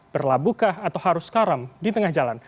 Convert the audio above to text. berlah buka atau harus karam di tengah jalan